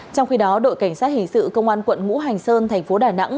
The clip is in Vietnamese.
trong khi đó đội cảnh sát hình sự công an quận ngũ hành sơn tp đà nẵng